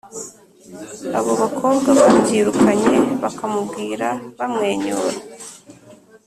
abo bakobwa babyirukanye bakamubwira bamwenyura